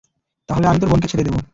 তাহলে আমি তোর বোনকে ছেড়ে দেবো।